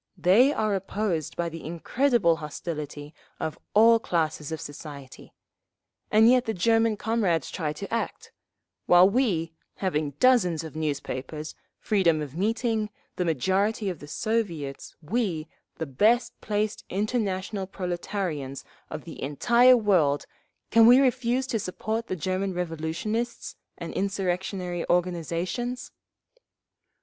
They are opposed by the incredible hostility of all classes of society—and yet the German comrades try to act; while we, having dozens of newspapers, freedom of meeting, the majority of the Soviets, we, the best placed international proletarians of the entire world, can we refuse to support the German revolutionists and insurrectionary organisations?